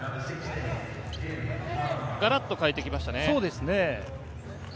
ガラッと変えてきましたね。